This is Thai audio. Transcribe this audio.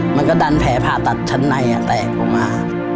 มันก็ดันแผลผ่าตัดชั้นในแตกออกมา